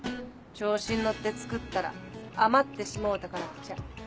調子ん乗って造ったら余ってしもうたからっちゃ。